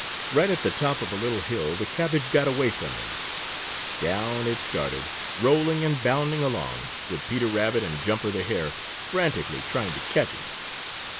Right at the top of a little hill the cabbage got away from them. Down it started, rolling and bounding along, with Peter Rabbit and Jumper the Hare frantically trying to catch it.